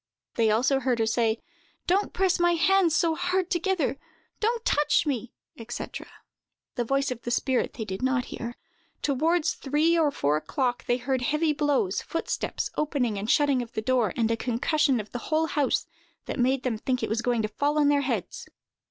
They also heard her say, "Don't press my hands so hard together!"—"Don't touch me!" &c. The voice of the spirit they did not hear. Toward three or four o'clock, they heard heavy blows, footsteps, opening and shutting of the door, and a concussion of the whole house, that made them think it was going to fall on their heads.